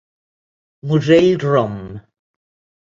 Musell rom.